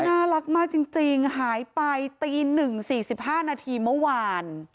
น่ารักมากจริงหายไปตี๑๔๕นาทีเมื่อวาน